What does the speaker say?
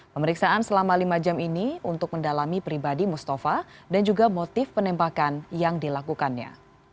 pemeriksaan selama lima jam ini untuk mendalami pribadi mustafa dan juga motif penembakan yang dilakukannya